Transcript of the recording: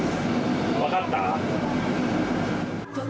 分かった。